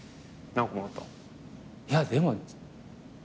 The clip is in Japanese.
いやでも。